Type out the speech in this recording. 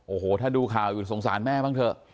โอ้โหถ้าดูข่าวอยู่สงสารแม่บ้างเถอะ